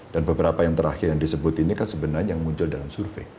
dan beberapa yang terakhir yang disebut ini kan sebenarnya yang muncul dalam survei